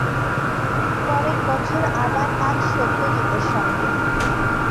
পরের বছর আবার কাজ সত্যজিতের সঙ্গে।